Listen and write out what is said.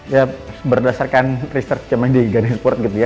ya berdasarkan research yang ada di ganeshport gitu ya